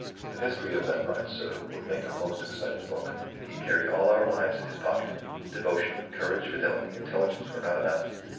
The history of that ride, sir, would make a most exciting book. He carried all our lives in his pocket. Devotion, courage, fidelity, intelligence were not enough.